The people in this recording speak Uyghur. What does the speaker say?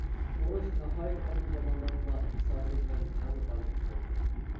ئۇرۇش ناھايىتى قەدىم زامانلاردىلا ئىنسانىيەت بىلەن تەڭلا بارلىققا كەلگەن.